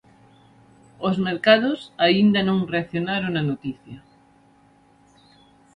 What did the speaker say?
Os mercados aínda non reaccionaron á noticia.